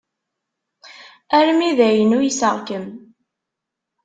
Armi d ayen uyseɣ-kem.